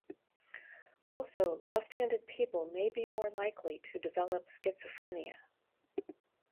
Also, left-handed people may be more likely to develop schizophrenia.